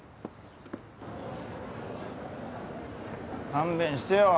勘弁してよ。